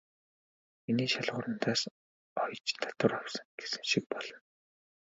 Миний шалгуур надаас оёж татвар авсан" гэсэн шиг болно.